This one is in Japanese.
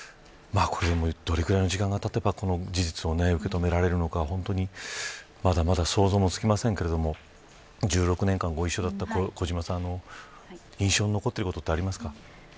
どれくらいの時間が経てばこの事実を受け止められるのかまだまだ想像もつきませんが１６年間ご一緒だった小島さん印象に残っていることはありますか。